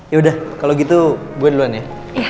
ya udah kalau gitu gue duluan ya